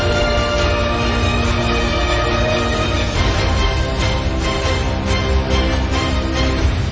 โปรดติดตามตอนต่อไป